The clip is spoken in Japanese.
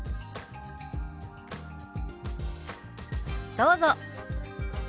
どうぞ。